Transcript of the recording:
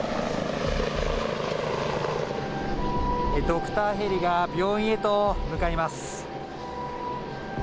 ドクターヘリが、病院へと向かいます。